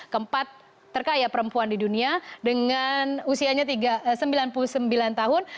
keempat terkaya perempuan di dunia dengan usianya sembilan puluh sembilan tahun